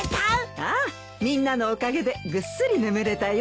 ああみんなのおかげでぐっすり眠れたよ。